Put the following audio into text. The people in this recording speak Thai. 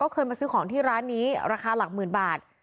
เคยมาซื้อของที่ร้านนี้ราคาหลักหมื่นบาท